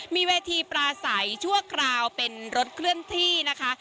มีเวทีปลาใสชั่วคราวเป็นรถเคลื่อนที่นะคะ